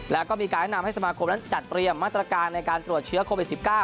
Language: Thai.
แล้วก็มีการแนะนำให้สมาคมนั้นจัดเตรียมมาตรการในการตรวจเชื้อโควิด๑๙